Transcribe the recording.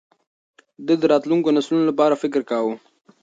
ده د راتلونکو نسلونو لپاره فکر کاوه.